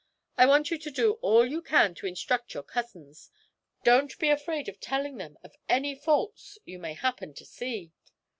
I want you to do all you can to instruct your cousins; don't be afraid of telling them of any faults you may happen to see.